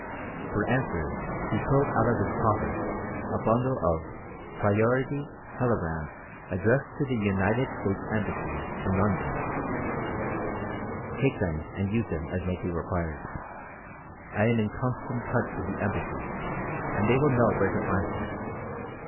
For answer he pulled out of his pocket a bundle of "priority" telegrams addressed to the United States Embassy in London. "Take them and use them as may be required. I am in constant touch with the Embassy and they will know where to find me.